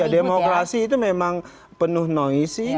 demokrasi itu memang penuh noise